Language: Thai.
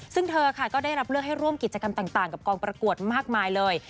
ซึ่งเธอค่ะก็ได้รับเลือกให้ร่วมกิจกรรมต่างกับกองประกวดมากมายเลย